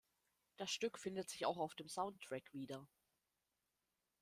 Das Stück findet sich auch auf dem Soundtrack wieder.